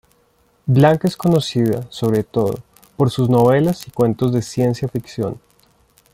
Blanca es conocida, sobre todo, por sus novelas y cuentos de ciencia ficción.